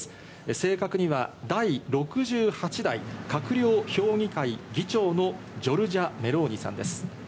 正確には第６８代閣僚評議会議長のジョルジャ・メローニさんです。